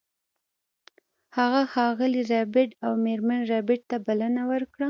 هغه ښاغلي ربیټ او میرمن ربیټ ته بلنه ورکړه